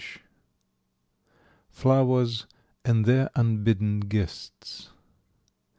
] FLOWERS AND THEIR UNBIDDEN GUESTS.